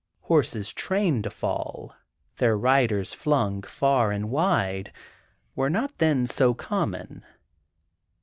Horses trained to fall, their riders flung far and wide, were not then so common.